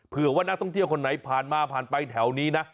เผื่อว่านักท่องเที่ยวคนไหนผ่านมาผ่านไปแถวนี้นะ